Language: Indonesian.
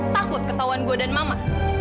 takut ketahuan gue dan mama